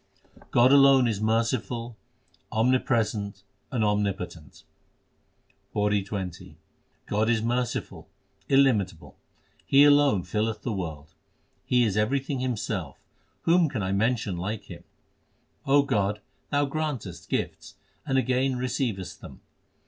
God alone is merciful, omnipresent, and omni potent : PAURI XX God is merciful, illimitable ; He alone filleth the world. He is everything Himself ; whom can I mention like Him? God, Thou grantest gifts, and again receivest them.